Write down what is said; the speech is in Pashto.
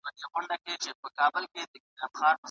تر نظارت لاندي خدمت کاوه؛ هغه مهال کاواگناري د سیمي